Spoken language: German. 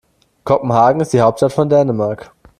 Kopenhagen ist die Hauptstadt von Dänemark.